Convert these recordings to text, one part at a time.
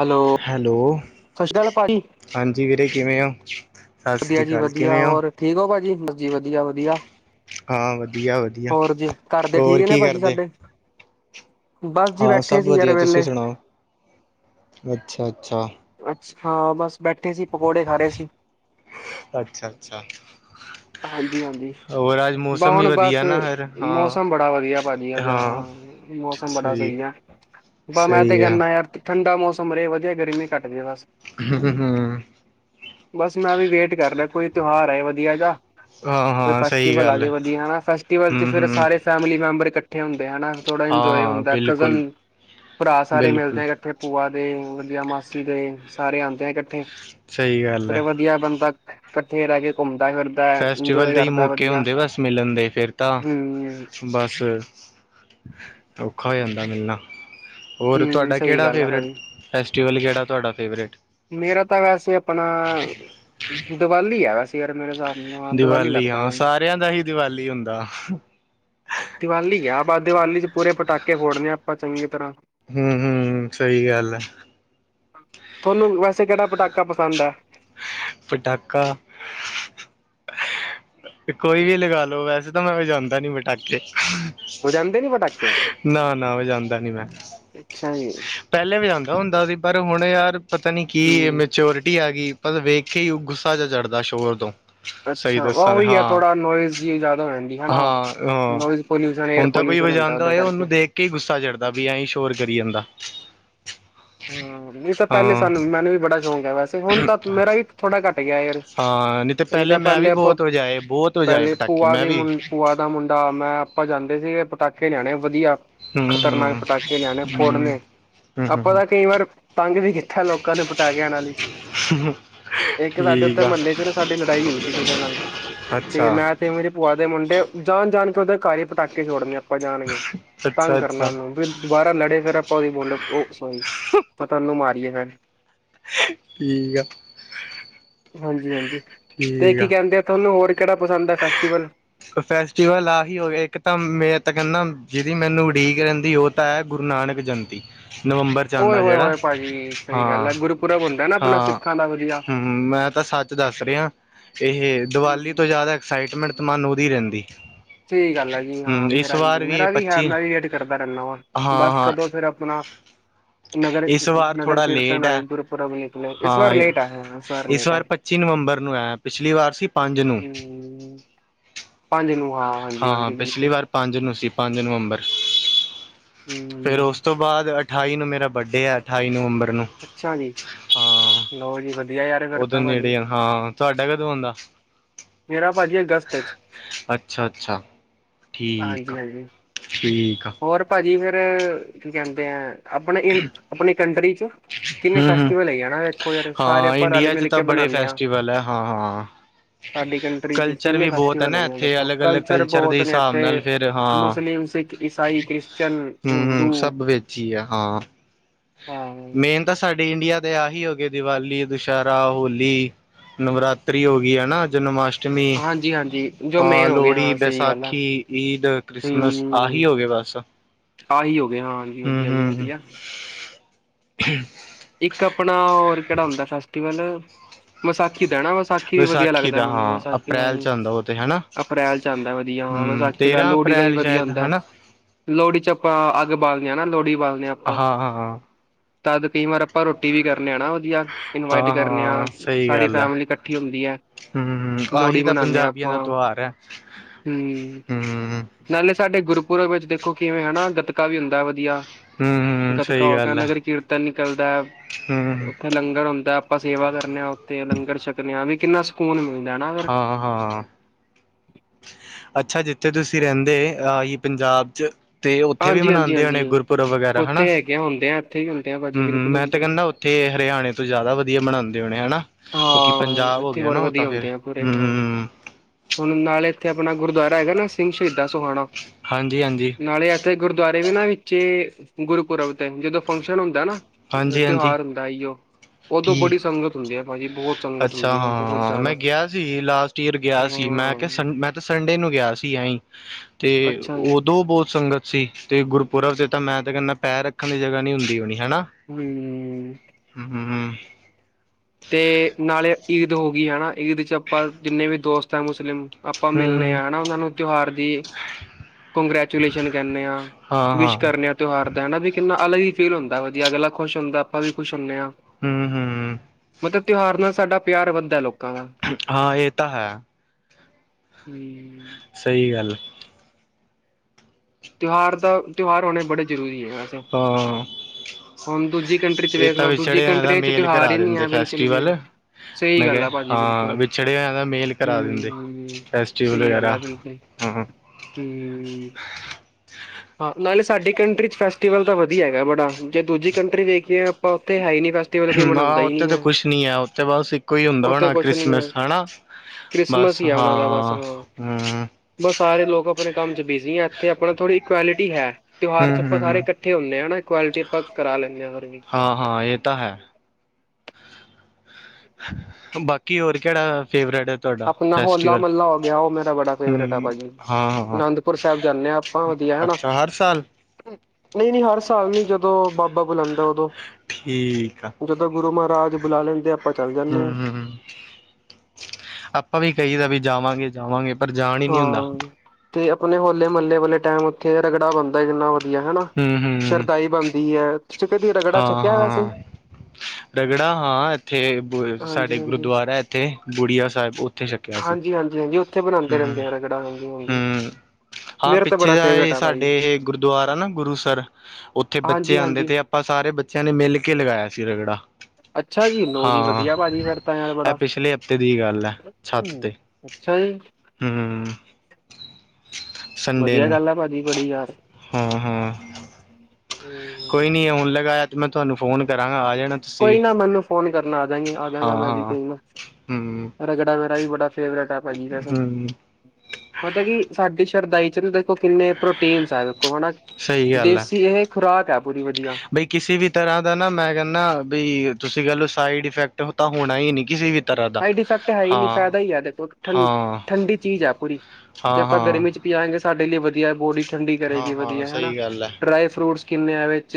Hello hello ਸਤ ਸ਼੍ਰੀ [unintelligible] ਅਕਾਲ ਭਾਜੀ ਹਾਂਜੀ ਵੀਰੇ ਕਿਵੇਂ ਹੋ ਸਤਿ ਸ੍ਰੀ ਵਧੀਆ ਜੀ ਅਕਾਲ ਵਧੀਆ ਕਿਵੇਂ ਹੋ ਹੋਰ ਠੀਕ ਹੋ ਭਾਜੀ ਜੀ ਵਧੀਆ ਵਧੀਆ ਹਾਂ ਵਧੀਆ ਵਧੀਆ ਹੋਰ ਜੀ ਘਰ ਦੇ ਹੋਰ ਠੀਕ ਨੇ ਕੀ ਭਾਜੀ ਕਰਦੇ ਸਾਡੇ ਬਸ ਜੀ ਹਾਂ ਬੈਠੇ ਸਭ ਸੀ ਯਾਰ ਵਧੀਆ ਤੁਸੀਂ ਵੇਲੇ ਸੁਣਾਓ ਅੱਛਾ ਅੱਛਾ। ਅੱਛਾ ਬਸ ਬੈਠੇ ਸੀ ਪਕੌੜੇ ਖਾ ਰਹੇ ਸੀ। ਅੱਛਾ-ਅੱਛਾ। ਹਾਂਜੀ ਹਾਂਜੀ ਬ ਵੀ ਹੁਣ ਬਸ ਵਧੀਆ ਨਾ ਫਿਰ ਹਾਂ ਮੌਸਮ ਬੜਾ ਵਧੀਆ ਭਾਜੀ ਅੱਜ ਹਾਂ। ਮੌਸਮ ਬੜਾ ਸਹੀ ਹੈ ਬਸ ਮੈਂ ਤੇ ਸਹੀ ਆ ਕਹਿੰਨਾ ਯਾਰ। ਠੰਡਾ ਮੌਸਮ ਰਹੇ ਵਧੀਆ ਗਰਮੀ ਘੱਟ ਜੇ ਬਸ। ਹੁ- ਹੁ ਹੁ ਬਸ ਮੈਂ ਵੀ ਵੇਟ ਕਰ ਰਿਹਾ ਕੋਈ ਤਿਉਹਾਰ ਆਏ ਵਧੀਆ ਜਿਆ। ਹਾਂ ਕੋਈ ਹਾਂ ਸਹੀ ਫੈਸਟੀਵਲ ਆ ਗੱਲ ਹੈ। ਜੇ ਵਧੀਆ ਹੈਨਾ ਫੈਸਟੀਵਲ ਚ ਹਮ ਫੇਰ ਹਮ ਸਾਰੇ। ਫੈਮਿਲੀ ਮੈਂਬਰ ਇਕੱਠੇ ਹੁੰਦੇ ਹਨਾ ਥੋੜਾ ਹਾਂ ਇੰਜੋਏ ਹਾਂ ਹੁੰਦਾ ਬਿਲਕੁਲ ਕਜ਼ਨ ਭਰਾ ਸਾਰੇ ਬਿਲਕੁਲ ਮਿਲਦੇ ਇਕੱਠੇ। ਭੂਆ ਦੇ ਵਧੀਆ ਮਾਸੀ ਦੇ ਸਾਰੇ ਆਂਦੇ ਆ ਇਕੱਠੇ ਸਹੀ ਗੱਲ ਤੇ ਹੈ ਵਧੀਆ ਬੰਦਾ। ਇਕੱਠੇ ਰਹਿ ਕੇ ਘੁੰਮਦਾ ਫੇਰ। ਫੈਸਟੀਵਲ ਦੇ ਹੀ ਮੌਕੇ ਹੁੰਦੇ ਬਸ ਮਿਲਣ ਦੇ ਫੇਰ ਤਾਂ। ਹਮ ਬਸ ਔਖਾ ਹੋ ਜਾਂਦਾ ਮਿਲਨਾ। ਹੋਰ ਹਮ ਤੁਹਾਡਾ ਸਹੀ ਕਿਹੜਾ ਗੱਲ ਹੈ ਫੇਵਰੇਟ ਭਾਜੀ ਫੈਸਟੀਵਲ ਕਿਹੜਾ ਤੁਹਾਡਾ ਫੇਵਰੇਟ। ਮੇਰਾ ਤਾਂ ਵੈਸੇ ਅਪਣਾ ਦੀਵਾਲੀ ਆ ਵੈਸੇ ਫੇਰ ਮੇਰੇ ਹਿਸਾਬ ਨਾਲ ਦੀਵਾਲੀ ਲੱਗਦਾ ਮੈਨੂੰ। ਪਿਆਂਦਾ ਹੀ ਦੀਵਾਲੀ ਹੁੰਦਾ ਦੀਵਾਲੀ ਐ ਆਪਾਂ ਦੀਵਾਲੀ ਚ ਪੂਰੇ ਪਟਾਕੇ ਫੋੜਨੇ, ਆਪਾਂ ਚੰਗੀ ਤਰ੍ਹਾਂ ਹੂੰ ਹੂੰ ਸਹੀ ਗੱਲ ਐ ਥੋਨੂੰ ਵੈਸੇ ਕਿਹੜਾ ਪਟਾਕਾ ਪਸੰਦ ਐ ਪਟਾਕਾ ਏ ਕੋਈ ਵੀ ਲਗਾ ਲੋ ਵੈਸੇ ਤਾਂ ਮੈਂ ਵਜਾਂਉਦਾ ਨੀ ਪਟਾਕੇ ਵਜਾਂਦੇ ਨੀ ਪਟਾਕੇ ਨਾ ਨਾ ਵਜਾਂਦਾ ਨੀ ਮੈਂ ਅੱਛਾ ਜੀ ਪਹਿਲੇ ਵੀ ਆਂਦਾ ਹੁੰਦਾ ਸੀ ਪਰ ਹੁਣ ਯਾਰ ਪਤਾ ਨੀ ਕੀ ਹਮ ਮਚਓਰਟੀ ਆ ਗਈ। ਪਰ ਵੇਖ ਕੇ ਈ ਉ ਗੁੱਸਾ ਜਾ ਚੜ੍ਹਦਾ ਸ਼ੋਰ ਤੋਂ ਸਹੀ ਅੱਛਾ ਵਾ ਦੱਸਾਂ ਓ ਤੇ ਈ ਆ ਹਾਂ ਥੋੜਾ ਨੋਇਜ਼ ਜੀ ਜ਼ਿਆਦਾ ਹੋ ਜਾਂਦੀ ਹਨਾ ਹਾਂ ਹਾਂ ਨੋਇਜ਼ ਪੋਲਿਊਸ਼ਨ ਏਅਰ ਪੋਲਿਊਸ਼ਨ ਹੁੰਦਾ ਓਦੇ ਕਰਕੇ ਕੀ ਗੁੱਸਾ ਚੜ੍ਹਦਾ ਵੀ ਆਈ ਸ਼ੋਰ ਕਰੀ ਜਾਂਦਾ ਹੂੰ ਨਹੀਂ ਤਾਂ ਪਹਿਲੇ ਹਾਂ ਸਾਨੂੰ ਮੈਨੂੰ ਵੀ ਬੜਾ ਸ਼ੌਂਕ ਐ ਵੈਸੇ ਹੁਣ ਤਾਂ ਮੇਰਾ ਹੀ ਥੋੜ੍ਹਾ ਘੱਟ ਗਿਆ, ਯਾਰ ਹਾਂ ਨਹੀਂ ਤੇ ਇਹ ਤਾਂ ਮੈਂ ਵੀ ਪਹਿਲੇ ਆਪਾਂ ਬਹੁਤ ਵਜਾਏ ਬਹੁਤ ਵਜਾਏ ਪਹਿਲੇ ਪਟਾਕੇ ਭੂਆ ਮੈਂ ਦੀ ਵੀ ਮੁੰ ਪੂਆ ਦਾ ਮੁੰਡਾ ਮੈਂ ਆਪਾਂ ਜਾਂਦੇ ਸੀਗੇ, ਪਟਾਕੇੇ ਲਿਆਣੇ ਵਧੀਆ ਹੂੰ ਖ਼ਤਰਨਾਕ ਹੂੰ ਪਟਾਕੇ ਲਿਆਣੇ ਹੂੰ ਫੋੜਨੇ ਹੂੰ ਹੂੰ ਪਤਾ ਕਈ ਵਾਰ ਤੰਗ ਵੀ ਕੀਤਾ ਲੋਕਾਂ ਨੇ ਪਟਾਕਿਆ ਨਾਲ ਈ ਹੂ ਹੂ ਇੱਕ ਸਾਡੇ ਉੱਥੇ ਮਹੱਲੇ ਚ ਨਾ ਸਾਡੀ ਲੜਾਈ ਹੋਈ ਸੀ ਕਿਸੇ ਨਾਲ ਅੱਛਾ ਤੇ ਮੈ ਮੇਰੀ ਭੂਆ ਦੇ ਮੁੰਡੇ ਜਾਣ ਜਾਣ ਕੇ ਓਦੇ ਘਰ ਪਟਾਕੇ ਛੋੜਨੇ ਆਪਾਂ ਜਾਣਗੇ ਅੱਛਾ ਤੰਗ ਕਰਨਾ ਅੱਛਾ ਓਨੂੰ ਵੀ ਦੁਬਾਰਾ ਲੜੇ ਫਿਰ ਆਪਾਂ ਓਦੀ ਬੁੰਡ ਉਹ [unintelligible] ਠੀਕ ਆ ਹਾਂਜੀ-ਹਾਂਜੀ ਤੇ ਠੀਕ ਕੀ ਆ ਕਹਿੰਦੇ। ਤੁਹਾਨੂੰ ਹੋਰ ਕਿਹੜਾ ਪਸੰਦ ਐ ਫੈਸਟੀਵਲ ਫੈਸਟੀਵਲ ਆਹੀ ਹੋਗੇ ਇੱਕ ਤਾਂ ਮੈਂ ਤਾਂ ਕਹਿੰਨਾਂ ਜਿਹਦੀ ਮੈਨੂੰ ਉਡੀਕ ਰਹਿੰਦੀ ਉਹ। ਤੈ ਗੁਰੂ ਨਾਨਕ ਜੰਤੀ ਨਵੰਬਰ। ਓਏ ਜਾਂਦਾ ਹੋਏ ਜਿਹੜਾ ਹੋਏ ਭਾਜੀ ਸਹੀ ਗੱਲ ਹੈ ਗੁਰਪੁਰਬ ਹੁੰਦਾ ਨਾ ਆਪਣਾ ਹਾਂ-ਹਾਂ ਸਿੱਖਾਂ ਦਾ ਵਧੀਆ ਹੂੰ ਮੈਂ ਤਾਂ ਸਾ ਤੇ ਦੱਸ ਰਿਹਾ ਇਹ ਦੀਵਾਲੀ ਤੋਂ ਜ਼ਿਆਦਾ ਐਕਸਾਈਟਮੈਂਟ ਤਾਂ ਮਨੂੰ ਉਹਦੀ ਰਹਿੰਦੀ ਏ। ਸਹੀ ਗੱਲ ਹੈ ਜੀ ਨਾਂ ਮੇਰਾ ਵੀ ਮੇਰਾ ਵੀ ਹੈ ਪੱਚੀ ਮੈਂ ਵੀ ਵੇਟ ਕਰਦਾ ਰਹਿੰਨਾ ਵਾਂ ਹਾਂ ਬਸ ਹਾਂ ਕਦੋਂ ਫੇਿਰ ਆਪਣਾ। ਨਗਰ ਅ ਇਸ ਅ ਵਾਰ ਨਗਰ ਥੋੜਾ ਕੀਰਤਨ ਲੇਟ ਆਏ ਹੈ ਗੁਰਪਰਬ ਨਿਕਲੇ ਇਸ ਵਾਰ ਲੇਟ ਆਏ ਹਾਂ ਹਾਂ ਇਸ ਵਾਰ ਲੇਟ ਆਏ। ਪਚੀ ਨਵੰਬਰ ਨੂੰ ਐ ਪਿਛਲੀ ਵਾਰ ਸੀ ਪੰਜ ਨੂੰ ਹਮ ਪੰਜ ਨੂੰ ਹਾਂ। ਹਾਂਜੀ ਹਾਂ ਹਾਂਜੀ ਪਿਛਲੀ ਬਿਲਕੁਲ ਵਾਰ ਪੰਜ ਨੂੰ ਸੀ ਪੰਜ ਨਵੰਬਰ ਫੇਰ ਹਮ ਓਸ ਤੋਂ ਬਾਅਦ ਅਠਾਈ ਨੂੰ ਮੇਰਾ ਬੱਡੇ ਆ ਅਠਾਈ ਨਵੰਬਰ ਨੂੰ ਅੱਛਾ ਜੀ! ਨੌ ਜੀ ਵਧੀ [unintelligible] ਓਦੇ ਨੇੜੇ ਆ ਹਾਂ ਤੁਹਾਡਾ ਕਦੋਂ ਆਉਂਦਾ ਮੇਰਾ ਭਾਜੀ ਅਗਸਤ ਚ ਅੱਛਾ ਅੱਛਾ ਠੀਕ ਹਾਂਜੀ ਆ। ਹਾਂਜੀ ਠੀਕ ਆ। ਹੋਰ ਭਾਜੀ ਫਿਰ ਕੀ ਕਹਿੰਦੇ ਐ ਆਪਣੇ ਆਪਣੀ ਕੰਟਰੀ ਚ ਕਿੰਨੇ ਹੂੰ ਹੂੰ ਫੈਸਟੀਵਲ ਐ ਜਾਣਾ ਵੇਖੋ ਯਾਰ ਸਾਰੇ ਹਾਂ ਆਪਾਂ ਰਲ ਇੰਡੀਆ 'ਚ ਮਿਲ ਤਾਂ ਕੇ ਬੜੇ ਮਨਾਨੇ ਆ ਫੈਸਟੀਵਲ ਹੈ ਹਾਂ ਹਾਂ ਸਾਡੀ ਕੰਟਰੀ ਚ ਕਲਚਰ ਕਿੰਨੇ ਵੀ ਬਹੁਤ ਹੈ ਫੈਸਟੀਵਲ ਨਾ ਹੈਗੇ ਐ, ਇੱਥੇ ਦੇਖੋ ਅਲੱਗ ਅਲੱਗ ਕਲਚਰ ਦੇ ਬਹੁਤ ਨੇ ਹਿਸਾਬ ਇੱਥੇ ਨਾਲ ਫਿਰ ਹਾਂ ਮੁਸਲਿਮ, ਸਿੱਖ, ਈਸਾਈ, ਕ੍ਰਿਸਚਨ, ਹੂੰ ਹਿੰਦੂ। ਹੂੰ ਸਭ ਵਿੱਚ ਹੀ ਆ ਹਾਂ ਹਾਂ ਮੇਨ ਤਾਂ ਸਾਡੇ ਇੰਡੀਆ ਦੇ ਆਹੀ ਹੋਗੇ ਦੀਵਾਲੀ ਦੁਸਹਿਰਾ ਹੋਲੀ ਨਵਰਾਤਰੀ ਹੋਗੀ ਹਨਾ ਜਨਮਅਸ਼ਟਮੀ ਅਸ਼ਟਮੀ ਹਾਂਜੀ-ਹਾਂਜੀ ਜੋ ਅਹ ਮੇਨ ਹੋ ਗਏ ਲੋਹੜੀ ਹਾਂ ਸਹੀ ਗੱਲ ਆ ਵੈਸਾਖੀ, ਈਦ, ਕ੍ਰਿਸਮਸ, ਆਹੀ ਹੂੰ ਹੋਗੇ ਬਸ। ਅੱਛਾ ਆਹੀ ਹੋ ਗਏ ਹਾਂ ਜੀ ਵਧੀਆ ਜੀ ਵਧੀਆ। [inaudible] ਇੱਕ ਆਪਣਾ ਹੋਰ ਕਿਹੜਾ ਹੁੰਦਾ ਫੈਸਟੀਵਲ ਵਿਸਾਖੀ ਦਾ ਨਾ ਵ ਵਿਸਾਖੀ ਵਧੀਆ ਲੱਗਦਾ ਦਾ ਮੈਨੂੰ ਹਾਂ ਵਸਾਖੀ ਵ ਅਪ੍ਰੈਲ ਚ ਆਉਂਦਾ ਉਹ ਤੇ ਹਨਾ ਅਪ੍ਰੈਲ ਚ ਆਂਦਾ ਐ ਵਧੀਆ ਵਾ ਹੂੰ ਵਿਸਾ। ਕੀਦਾ ਤੇਰਾਂ ਲੋਹੜੀ ਦਾ ਵੀ ਅਪ੍ਰੈਲ ਵਧੀਆ ਸ਼ਾਇਦ ਹੁੰਦਾ ਐ ਹਨਾ ਲੋਹੜੀ 'ਚ ਆਪਾਂ ਅੱਗ ਬਾਲਦੇ ਆਂ ਨਾ ਲੋਹੜੀ ਬਾਲਦੇ ਆਂ। ਹਾਂ-ਹਾਂ-ਹਾਂ। ਤਦ ਕਈ ਵਾਰ ਆਪਾਂ ਰੋਟੀ ਵੀ ਕਰਨੇ ਆ ਨਾ ਧੀਆ ਇਨਵਾਈਟ ਹਾਂ ਕਰਨੇ ਆ ਹਾਂ ਸਾਰੀ ਫੈਮਲੀ ਇਕੱਠੀ ਹੁੰਦੀ ਐ। ਹੂੰ-ਹੂੰ ਆਹੀ ਤਾਂ ਪੰਜਾਬੀਆਂ ਦਾ ਤਿਉਹਾਰ ਐ। ਹੂੰ-ਹੂੰ ਨਾਲੇ ਸਾਡੇ ਗੁਰਪੁਰਬ ਵਿੱਚ ਦੇਖੋ ਕਿਵੇਂ ਹਨਾ ਗੱਤਕਾ ਵੀ ਹੁੰਦਾ ਐ ਵਧੀਆ। ਹੂੰ ਗਤਕਾ ਹੁੰਦਾ ਨਗਰ ਕੀਰਤਨ ਨਿਕਲਦਾ। ਹਮਮ। ਉੱਥੇ ਲੰਗਰ ਹੁੰਦਾ ਆਪਾਂ ਸੇਵਾ ਕਰਨੇ ਹਾਂ ਉੱਥੇ ਲੰਗ ਛਕਦੇ ਹਾਂ ਵੀ ਕਿੰਨਾ ਸਕੂਨ ਮਿਲਦਾ ਨਾ ਫਿਰ। ਹਾਂ-ਹਾਂ। ਅੱਛਾ ਜਿਥੇ ਤੁਸੀਂ ਰਹਿੰਦੇ ਆ ਈ ਪੰਜਾਬ 'ਚ ਤੇ ਉਥੇ ਵੀ ਹਾਂਜੀ ਹਾਂਜੀ ਮਨਾਂਦੇ ਹੋਣੇ ਹਾਂਜੀ ਗੁਰਪੁਰਬ ਵਗੈਰਾ ਹਨਾ ਉੱਥੇ ਹੈਗੇ ਹੁੰਦੇ ਆ ਇੱਥੇ ਵੀ ਹੁੰਦੇ ਆ ਭਾਜੀ ਹੂੰ-ਹੂੰ ਬਿਲਕੁਲ ਮੈਂ ਤੇ ਹੁੰਦੇ ਆ ਕਹਿੰਦਾ ਤੇ ਹਰਿਆਣੇ ਤੋਂ ਜ਼ਿਆਦਾ ਵਧੀਆ ਬਣਾਂਦੇ ਹੋਣੇ ਹਨਾ। ਬਾਕੀ ਹਾਂ ਪੰਜਾਬ ਹੋ ਇੱਥੇ ਗਿਆ ਹੋਰ ਨਾ ਉਹ ਤਾਂ ਵਧੀਆ ਫੇਿਰ ਹੁੰਦੇ ਆ ਪੂਰੇ ਹਮ ਹਮ ਹਾਂ। ਹਮ ਹਮ। ਹੁਣ ਨਾਲੇ ਇਥੇ ਆਪਣਾ ਗੁਰਦੁਆਰਾ ਹੈਗਾ ਨਾ ਸਿੰਘ ਸ਼ਹੀਦਾ ਸੋਵਾਣਾ। ਹਾਂਜੀ-ਹਾਂਜੀ। ਨਾਲੇ ਇਥੇ ਗੁਰਦੁਆਰੇ ਵੀ ਨਾ ਵਿੱਚੇ ਗੁਰਪੁਰਬ ਤੇ ਜਦੋਂ ਫੰਕਸ਼ਨ ਹੁੰਦਾ ਨਾ। ਹਾਂਜੀ ਹਾਂਜੀ ਤਿਉਹਾਰ ਹੁੰਦਾ ਈ ਉਹ ਉਦੋਂ ਬੜੀ ਠੀਕ ਸੰਗਤ ਹੁੰਦੀ ਹੈ ਭਾਜੀ ਬੋਤ ਅੱਛਾ ਹਾਂ-ਹਾਂ-ਹਾਂ ਮੈਂ ਗਿਆ। ਸੀ ਲਾਸਟ ਈਅਰ ਗਿਆ ਸੀ। ਮੈਂ ਹਾਂ ਕਿਆ ਸੰ ਮੈਂ ਤੇ ਸੰਡੇ ਨੂੰ ਗਿਆ ਸੀ ਐਈ। ਤੇ ਅੱਛਾ ਜੀ ਓਦੋਂ ਬੋਤ ਸੰਗਤ ਸੀ। ਤੇ ਗੁਰਪੁਰਬ ਤੇ ਤਾਂ ਮੈਂ ਤੇ ਕੈਨਾਪੈਰ ਰੱਖਣ ਦੀ ਜਗ੍ਹਾ ਨੀ ਹੁੰਦੀ ਹੋਣੀ ਹੈਨਾ ਹੁੰ ਹੁੰ ਹੁੰ, ਹੁੰ ਤੇ ਨਾਲੇ ਈਦ ਹੋਗੀ ਹਨਾ ਈਦ ਚ ਆਪਾਂ ਜਿੰਨੇ ਵੀ ਦੋਸਤ ਆ ਮੁਸਲਿਮ ਆਪਾਂ ਹੂੰ ਮਿਲਣੇ ਹੂੰ ਆ ਹਨਾ ਓਨਾਂ ਨੂੰ ਤਿਉਹਾਰ ਦੀ ਕੋੰਗ੍ਰੈਚੂਲੇਸ਼ਨ ਕੈਨੇ ਹਾਂ ਹਾਂ ਆਂਵਿਸ਼ ਕਰਨੇ ਆਂ ਤਿਉਹਾਰ ਦਾ ਹਨਾ ਵੀ ਕਿੰਨਾ ਅਲੱਗ ਹੀ ਫੀਲ ਹੁੰਦਾ ਵਧੀਆ ਅਗਲਾ ਖੁਸ਼ ਹੁੰਦਾ ਆਪਾਂ ਵੀ ਖੁਸ਼ ਹੁੰਨੇ ਆਂ। ਹੁੰ ਹੁੰ। ਮਤਲਬ ਤਿਉਹਾਰ ਨਾਲ ਸਾਡਾ ਪਿਆਰ ਵੱਧਦਾ ਲੋਕਾਂ ਦਾ। ਹਾਂ ਇਹ ਤਾਂ ਹੈ। ਹੂੰ। ਸਹੀ ਗੱਲ ਏ। ਤਿਉਹਾਰ ਤਾਂ ਤਿਉਹਾਰ ਹੋਣੇ ਬੜੇ ਜ਼ਰੂਰੀ ਐ ਹਾਂ। ਆ ਕੰਟਰੀ ਚ ਸ ਇਹ ਵੇਖ ਤਾਂ ਲਓ ਦੂਜੀ ਵਿਛੜਿਆਂ ਦਾ ਕੰਟਰੀਆਂ ਚ ਮੇਲ ਤਿਉਹਾਰ ਕਰਾ ਹੀ ਨਹੀਂ ਦਿੰਦੇ ਹੈ ਬਿਲਕੁਲ ਵੀ। ਫੈਸਟੀਵਲ। ਹ ਸਹੀ ਮੈਂ ਗੱਲ ਕਿਹਾ ਆ ਭਾਜੀ ਬਿਲਕੁਲ ਹਾਂ ਹੂੰ। ਵਿਛੜਿਆਂ ਦਾ ਮੇਲ ਕਰਾ ਦਿੰਦੇ ਫੈਸਟੀਵਲ ਸਹੀ ਗੱਲ ਵਗੈਰਾ। ਆ ਬਿਲਕੁਲ ਹੂੰ-ਹੂੰ ਹੂੰ ਹਾਂ ਨਾਲੇ ਸਾਡੀ ਕੰਟਰੀ 'ਚ ਫੈਸਟੀਵਲ ਤਾਂ ਵਧੀਆ ਹੈਗਾ ਬੜਾ ਜੇ ਦੂਜੀ ਕੰਟਰੀ ਵੇਖੀਏ ਆਪਾਂ ਉਥੇ ਹੈ ਈ ਨਹੀਂ ਫੈਸ ਨਾਂ ਉੱਥੇ ਤਾਂ ਕੁਛ ਨੀ ਹੈ ਉੱਥੇ ਬਸ ਇੱਕੋ ਹੀ ਹੁੰਦਾ ਉੱਥੇ ਹੋਣਾ ਕੁਛ ਨੀ ਹੈ ਕ੍ਰਿਸਮਿਸ ਹਨਾ। ਕ੍ਰਿਸਮਸ ਬਸ ਹੀ ਆ ਉਹਨਾਂ ਦਾ ਬਸ ਹਾਂ ਹਮ ਬਸ ਸਾਰੇ ਲੋਕ ਆਪਣੇ ਕੰਮ ਚ ਬਿਜ਼ੀ ਆ ਇਥੇ ਆਪਣਾ ਥੋੜੀ ਇਕੁਐਲਿਟੀ ਹੈ ਤਿਉਹਾਰ ਚ ਹਮ ਆਪਾਂ ਹਮ ਸਾਰੇ ਕੱ। ਇੱਥੇ ਹੁੰਨੇ ਆਂ ਨਾ ਕੁਆਲਟੀ ਆਪਾ ਕਰਾ ਲੈਂਨੇ ਹੋਰ ਵੀ। ਹਾਂ ਹਾਂ ਏ ਤਾਂ ਹੈ। ਬਾਕੀ ਹੋਰ ਕੇੜਾ ਫੇਵਰੇਟ ਤੁਆਡਾ ਆਪਣਾ ਹੋਲਾ ਫੈਸਟੀਵਲ ਮਹੱਲਾ ਹੋ ਗਿਆ ਉਹ ਮੇਰਾ ਬੜਾ ਫੇਵਰੇਟ ਆ ਹੁੰ ਭਾਜੀ। ਹਾਂ ਹਾਂ। ਅਨੰਦਪੁਰ ਸਾਹਿਬ ਅੱਛਾ, ਹਰ ਸਾਲ। ਨਈ-ਨਈ, ਹਰ ਸਾਲ ਨੀ ਜਦੋਂ ਬਾਬਾ ਬੁਲਾੰਦਾ ੳਦੋਂ। ਠੀਕ ਆ। ਜਦੋਂ ਗੁਰੂ ਮਾਰਾਜ ਬੁਲਾ ਲੈਂਦੇ, ਆਪਾਂ ਚੱਲ ਜਾਂਨੇ ਹਮ ਆ। ਹਮ ਆਪਾਂ ਵੀ ਕਈਦਾ, ਵੀ ਜਾਵਾਂਗੇ-ਜਾਵਾਂਗੇ। ਹਾਂ, ਤੇ ਅਪਣੇ ਹੋਲੇ-ਮੱਲੇ ਵਾਲੇ ਟੈਮ ਔਥੇ ਰਗੜਾ ਬੰਨਦਾ ਕਿੰਨਾ ਵਧੀਆ ਹੈਨਾ। ਹੁੰ, ਹੁੰ। ਸ਼ਰਧਾਈ ਬਣਦੀ ਹੈ। ਕਦੀ ਰਗੜਾ ਛਕਿਆ ਵੈਸੇ ਹਾਂ-ਹਾਂ। ਰਗੜਾ ਹਾਂ, ਏੱਥੇ ਸਾਡੇ ਹਾਂਜੀ ਹਾਂਜੀ। ਗੁਰਦੁਆਰਾ ਹੈ ਏੱਥੇ ਬੁੜੀਆ ਸੈਬ ਉੱਥੇ ਛਕਿਆ ਸੀ। ਹਾਂਜੀ-ਹਾਂਜੀ, ਉੱਥੇ ਬਣਾਉਂਦੇ ਰਹਿੰਦੇ ਹੂੰ ਆ ਰਗੜਾ ਹਾਂਜੀ-ਹਾਂਜੀ। ਹੂੰ ਹਾਂ, ਪਿੱਛੇ ਜਾਂ ਏ ਸਾਡੇ ਏਹ ਗੁਰਦੁਆਰਾ ਨਾ ਗੁਰੂਸਰ ਔਥੇ ਬੱਚੇ ਹਾਂਜੀ, ਆਂਦੇ ਹਾਂਜੀ ਤੇ ਆਪਾਂ ਸਾਰੇ ਬੱਚਿਆਂ ਨੇ, ਮਿਲ ਕੇ ਲਗਾਇਆ ਸੀ ਰਗੜਾ। ਅੱਛਾ ਜੀ ਲੋ ਜੀ ਹਾਂ, ਵਧੀਆ ਭਾਜੀ ਫਿਰ ਤਾਂ ਯਾਰ ਐ ਬੜਾ ਪਿਛਲੇ ਹਫ਼ਤੇ ਦੀ ਗੱਲ ਹੈ ਛੱਤ ਤੇ। ਅੱਛਾ ਜੀ। ਹੁੰ। ਸੰਡੇ ਵਧੀਆ ਨੂੰ ਗੱਲ ਆ ਭਾਜੀ ਬੜੀ ਯਾਰ ਹੁੰ-ਹੁੰ। ਕੋਈ ਹੂੰ ਨੀ ਹੁਣ ਲਗਾਯਾਂ ਤੇ ਮੈਂ ਤੁਹਾਨੂੰ ਫੋਨ ਕਰਾਂਗਾ ਆ ਜਾਣਾ। ਤੁਸੀਂ ਵੀ ਕੋਈ ਨਾ ਮੇਨੂੰ ਫੋਨ ਕਰਨਾ ਆ ਜਾਗੀ ਹਾਂ ਆਜਂਗਾ ਮੈਂ ਵੀ ਹਾਂ ਕੋਈ ਨਾ ਹੂੰ ਰਗੜਾ ਮੇਰਾ ਵੀ ਬੜਾ ਫੇਵਰੇਟ ਆ ਭਾਜੀ ਵੈਸੇ। ਹੂੰ ਪਤਾ ਕਿ ਸਾਡੀ ਸ਼ਰਧਾਈ ਚ ਦੇਖੋ ਕਿੰਨੇ ਪ੍ਰੋਟੀਨਸ ਅ ਵੇਖੋ। ਸਹੀ ਗੱਲ ਹੈ ਦੇਸੀ ਇਹ ਖੁਰਾਕ ਹੈ ਪੂਰੀ ਵਧੀਆ। ਬਈ ਕਿਸੇ ਵੀ ਤਰ੍ਹਾਂ ਦਾ ਨਾ ਮੈਂ ਕੈਨਾ ਬਈ ਤੁਸੀਂ ਕੈ ਲੋ ਸਾਈਡ ਇਫੈਕਟ ਤਾਂ ਹੋਣਾ ਹੀ ਨੀ ਕਿਸੇ ਵੀ। ਤਰ੍ਹਾਂ ਦਾ ਸਾਈਡ ਇਫੈਕਟ ਹੈ ਨ ਹਾਂ ਫਾਇਦਾ ਹੀ ਯਾਦ ਹੈ ਠੰ ਹਾਂ ਠੰਡੀ ਚੀਜ਼ ਆ ਪੂਰੀ ਜੇ ਹਾਂ ਆਪਾਂ ਹਾਂ ਗਰਮੀ ਚ ਪੀ ਆਗੇ ਸਾਡੇ ਲਈ ਵਧੀਆ ਬੋਡੀ ਠੰਡੀ ਹਾਂ ਕਰੇਗੀ ਹਾਂ ਵਧੀਆ ਹਨਾ ਸਹੀ ਗੱਲ ਹੈ ਡਰਾਈ ਫਰੂਟਸ ਕਿੰਨੇ ਹ ਵਿੱਚ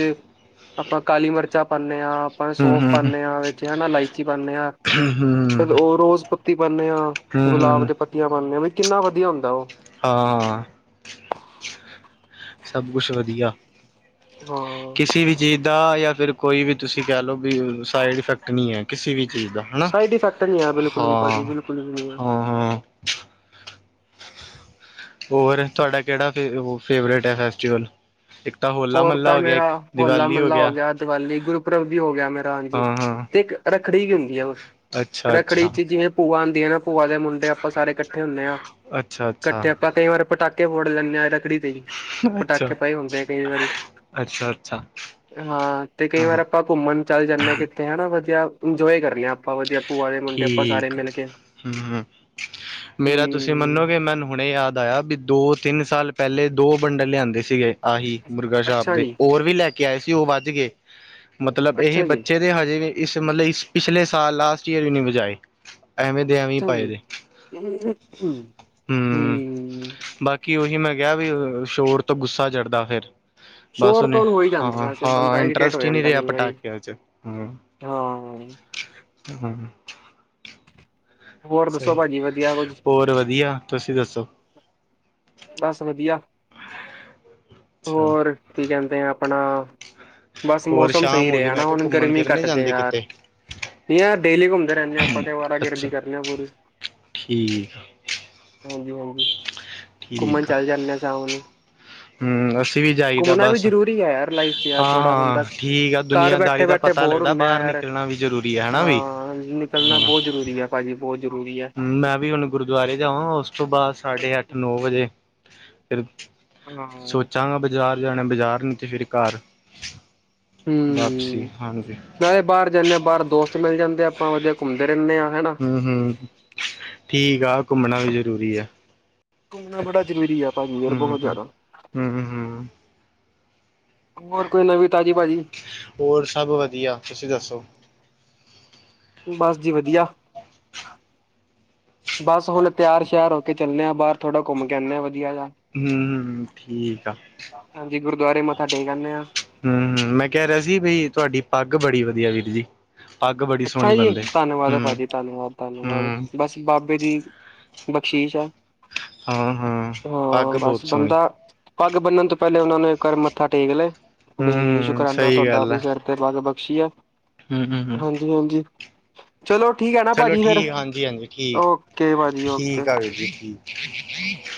ਆਪਾਂ ਕਾਲੀ ਮਿਰਚਾਂ ਪਾਉਦੇ ਹਾਂ। ਆਪਾਂ ਹੂੰ ਸੋਫ ਪਾਉਂਦੇ ਹਾਂ ਵਿੱਚ ਹਨਾ ਇਲਾਇਚੀ ਪਾਉਂਦੇ ਹਾਂ। ਹਮ। ਚ ਉਹ ਰੋਜ਼ ਪੱਤੀ ਪਾਂਦੇੇ ਆ ਗੁਲਾਬ ਹੂੰ ਦੇ ਪੱਤੀਆਂ ਪਾਉਂਦੇ ਆ ਵੀ ਕਿੰਨਾ ਵਧੀਆ ਹੁੰਦਾ ਉਹ। ਹਾਂ। ਸਭ ਕੁਛ ਵਧੀਆ ਹਾਂ ਕਿਸੇ ਵੀ ਚੀਜ਼ ਦਾ ਜਾਂ ਫਿਰ ਕੋਈ ਵੀ ਤੁਸੀਂ ਕਹਿ ਲਓ ਵੀ ਸਾਈਡ ਇਫੈਕਟ ਨਹੀਂ ਹੈ ਕਿਸੇ ਵੀ ਚੀਜ਼ ਦਾ। ਹੈ ਨਾ ਸਾਈਡ ਇਫੈਕਟ ਨਹੀਂ ਆ ਬਿਲਕੁਲ ਵੀ ਭਾਜੀ ਹਾਂ ਬਿਲਕੁਲ ਵੀ ਨਹੀਂ ਆ ਹਾਂ ਹਾਂ। ਹੋਰ, ਤੁਆਡਾ ਕੇੜਾ ਫ ਫੇਵਰੇਟ ਹੈ ਫੈਸਟੀਵਲ? ਇੱਕ ਤਾਂ ਹੋਲਾ-ਮੱਲਾ ਹੋ ਗਿਆ ਇੱਕ ਦੀਵਾਲੀ ਹੋ ਗਿਆ। ਦਿਵਾਲੀ ਗੁਰਪਰਬ ਵੀ ਹੋ ਗਿਆ ਮੈ ਹਾਂਜੀ ਹਾਂ ਹਾਂ ਤੇ ਇੱਕ ਰੱਖੜੀ ਵੀ ਹੁੰਦੀ ਅ ਵ ਅੱਛਾ ਰੱਖੜੀ ਅੱਛਾ ਚ ਜਿਵੇਂ ਭੂਆ ਆਂਦੀ ਐ ਨਾ ਭੂਆ ਦੇ ਮੁੰਡੇ ਆਪਾਂ ਸਾਰੇ ਕੱਠੇ ਹੁੰਨੇ ਆ। ਅੱਛਾ ਅੱਛਾ ਕੱਠੇ ਆਪਾਂ ਕਈ ਵਾਰ ਪਟਾਕੇ ਫੋੜ ਲੈਂਨੇ ਹਾਂ ਰਖੜੀ, ਤੇ ਪਟਾਕੇ ਅੱਛਾ ਪਏ ਹੁੰਦੇ। ਕਈ ਵਾਰੀ ਅੱਛਾ ਅੱਛਾ ਹਾਂ, ਤੇ ਕਈ ਵਾਰ ਹਮ ਆਪਾਂ ਘੁੰਮਣ ਚੱਲ ਜਾਂਨੇ ਹਾ ਕਿੱਤੇੇ ਹਨਾ ਵਧੀਆ ਇੰਜੋਏ ਕਰਨੇ ਆਪਾਂ ਵਧੀਆ ਭੂਆ ਦੇ ਮੁੰਡੇ, ਆਪਾਂ ਸਾਰੇ ਮਿਲ ਕੇ। ਹੁੰ, ਹੂੰ ਮੇਰਾ ਤੁਸੀਂ ਮੰਨੋਗੇ ਮੈਨੰ ਹੁਣੇ ਯਾਦ ਆਇਆ ਦੋ-ਤਿੰਨ ਸਾਲ ਪੈਲੇ ਦੋ ਬੰਡਲ ਲਿਆਂਂਦੇ ਸੀਗੇ। ਆਹੀ ਮੁਰਗਾ ਸ਼ਾਪ ਅੱਛਾ ਦੇ ਜੀ ਹੋਰ ਵੀ ਲੈ ਕੇ ਆਏ ਸੀ। ਔ ਵੱਜ ਗਏ ਮਤਲਬ ਇਹ ਅੱਛਾ ਜੀ ਬੱਚੇ ਤੇ ਹਜੇ ਵੀ ਇਸ ਮਤਲਬ ਇਸ ਪਿਛਲੇ ਸਾਲ ਲਾਸਟ ਈਅਰ ਵੀ ਨੀ ਵਜਾਏ। ਐਵੇਂ ਦੇ ਐਵੇਂ ਹੀ ਅੱਛਾ ਪਾਏ ਜੀ। ਦੇ ਹੂੰ ਹਮ ਬਾਕੀ ਕਿ ਉਹੀ ਮੈਂ ਕਿਹਾ ਵੀ ਸ਼ੋਰ ਤੋਂ ਗੁੱਸਾ ਚੜ੍ਹਦਾ ਫੇਰ। ਬੱਸ ਸ਼ੋਰ ਨ ਤੋਂ ਹੋ ਹੀ ਜਾਂਦਾ ਹਾਂ ਵੈਸੇ ਹਾਂ ਬੰਦਾ ਇਰੀਟੇਟ ਹੋ ਇੰਟਰਸਟ ਹੀ ਨਹੀਂ ਜਾਂਦਾ ਰਿਹਾ ਕਈ ਵਾਰੀ ਪਟਾਕਿਆ ਚ ਹਮ। ਹਾਂ। ਹਮਮ। ਹੋਰ ਦੱਸੋ ਸਹੀ ਭਾਜੀ ਵਧੀਆ ਕੁੱਝ ਹੋਰ ਵਧੀਆ ਤੁਸੀਂ ਦੱਸੋ? ਬਸ ਵਧੀਆ। ਅੱਛਾ ਹੋਰ ਕੀ ਕਹਿੰਦੇ ਆ ਆਪਣਾ। ਬਸ ਹੋਰ ਮੌਸਮ ਸ਼ਾਮ ਸਹੀ ਹੋ ਗਈ ਰਿਹਾ ਮੈਂ ਨਾ ਕਿਹਾ ਹੁਣ ਘੁੰਮਣ ਗਰਮੀ ਫਿਰਨ ਨੀ ਕੱਟਦੇ ਜਾਂਦੇ ਯਾਰ। ਕਿਤੇ ਨਹੀਂ ਹਾਂ ਡੇਲੀ ਘੁੰਮਦੇ ਰਹਿੰਦੇ ਆਪਾਂ ਤੇ ਅਵਾਰਾ ਗਰਦੀ ਅੱਛਾ ਕਰਨੇ ਹਾਂ ਪੂਰੀ। ਠੀਕ ਆ। ਹਾਂਜੀ, ਹਾਂ ਘੁੰਮਣ ਠੀਕ ਆ ਚੱਲ ਜਾਂਦੇ ਸ ਹੁਣੀ। ਹਮ ਅਸੀਂ ਵੀ ਜਾਈਦਾ ਘੁੰਮਣਾ ਵੀ ਬਸ ਹਾਂ ਜਰੂਰੀ ਹੈ ਯਾਰ ਲਾਈਫ ਚ ਯਾਰ ਥੋੜ੍ਹਾ ਬੰਦਾ ਹਾਂ ਠੀਕ ਆ ਘਰ ਬੈਠੇ ਦੁਨੀਆਂਦਾਰੀ ਦਾ ਬੈਠੇ। ਥੇ ਪਤਾ ਬੋਰ ਲੱਗਦਾ ਹੁੰਦੇ ਆ ਬਾਹਰ ਯਾਰ ਨਿਕਲਣਾ ਵੀ ਜ਼ਰੂਰੀ ਹੈ ਹਨਾ ਵੀ ਹਾਂ ਨਿਕਲਣਾ ਬਹੁਤ ਜ਼ਰੂਰੀ ਹੈ। ਭਾਜੀ ਬਹੁਤ ਜ਼ਰੂਰੀ ਹੈ। ਹ ਮੈਂ ਵੀ ਹੁਣ ਗੁਰਦੁਆਰੇ ਜਾਵਾਂ ਉਸ ਤੋਂ ਬਾਅਦ ਸਾਡੇ ਅੱਠ ਨੌ ਵਜੇ ਫਿਰ। ਹਾਂ ਸੋਚਾਂਗਾ ਬਜ਼ਾਰ ਜਾਣਾ ਬਾਜ਼ਾਰ ਨਹੀਂ ਤੇ ਫਿਰ ਘਰ। ਵਾਪਸੀ ਹਮ ਹਾਂਜੀ ਨਾਲੇ ਬਾਹਰ ਜਾਂਦੇ ਹਾਂ ਬਾਹਰ ਦੋਸਤ। ਵਿੱਚ ਮਿਲ ਜਾਂਦੇ ਆ ਆਪਾਂ ਵਧੀਆ ਘੁੰਮਦੇ ਰਹਿੰਦੇ ਹਾਂ ਹਨਾ। ਹਮ ਹਮ ਠੀਕ ਆ ਘੁੰਮਣਾ ਵੀ ਜ਼ਰੂਰੀ ਆ। ਘੁੰਮਣਾ ਬੜਾ ਜ਼ਰੂਰੀ ਆ ਭਾਜੀ ਯਾਰ ਹਮ ਬਹੁਤ ਹਮ ਜ਼ਿਆਦਾ। ਹਮ ਹਮ ਹੋਰ ਕੋਈ ਨਵੀਂ ਤਾਜ਼ੀ ਭਾਜੀ। ਹੋਰ ਸਭ ਵਧੀਆ ਤੁਸੀਂ ਦੱਸੋ? ਬਸ ਜੀ ਵਧੀਆ। ਬਸ ਹੁਣ ਤਿਆਰ ਸ਼ਿਆਰ ਹੋ ਕੇ ਚੱਲੇ ਹਾਂ ਬਾਹਰ ਥੋੜਾ ਘੁੰਮ ਕੇ ਆਉਂਦੇ ਹਾਂ ਵਧੀਆ ਜਿਹਾ। ਹਮ ਠੀਕ ਆ। ਹਾਂਜੀ ਗੁਰਦੁਆਰੇ ਮੱਥਾ ਟੇਕ ਆਨੇ ਆ ਹਮ ਹਮ ਮੈਂ ਕਹਿ ਰਿਹਾ ਸੀ ਬਈ ਤੁਹਾਡੀ ਪੱਗ ਬੜੀ ਵਧੀਆ ਵੀਰ ਜੀ। ਪੱਗ ਬੜੀ ਸੋਹਣੀ ਅੱਛਾ ਜੀ, ਬੰਦੇ ਧੰਨਵਾਦ ਹੈ ਹੂੰ ਭਾਜੀ ਧੰਨਵਾਦ ਧੰਨਵਾਦ ਹੂੰ ਬਸ। ਬਾਬੇ ਦੀ ਬਖਸ਼ੀਸ਼ ਹੈ ਹਾਂ ਹਾਂ ਪੱਗ ਹੋਰ ਬਹੁਤ ਬਸ ਸੋਹਣੀ ਬੰਦਾ। ਪੱਗ ਬੰਨਣ ਤੋਂ ਪਹਿਲੇ ਉਹਨਾ ਨੂੰ ਏਕ ਵਾਰ ਮੱਥਾ ਟੇਕ ਲਿਆ ਹੂੰ ਬਈ ਹੂੰ ਸ਼ੁਕਰਾਨਾ ਸਹੀ ਤੁਹਾਡਾ ਵੀ ਫਿਰ। ਫੇਰ ਬਲ ਬਖਸ਼ੀ ਹੈ। ਹਮ- ਹਮ- ਹਮ ਹਾਂਜੀ ਹਾਂਜੀ, ਚਲੋ ਠੀਕ ਹੈ ਨਾ, ਚਲੋ ਭਾਜੀ ਫਿਰ ਠੀਕ ਹਾਂਜੀ ਹਾਂਜੀ ਠੀਕ ਓਕੇ ਭਾਜੀ ਓਕੇ। [inaudible] [unintelligible]